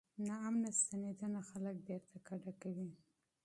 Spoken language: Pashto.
ناامنه ستنېدنه خلک بیرته کډه کوي.